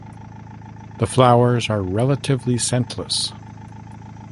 The flowers are relatively scentless.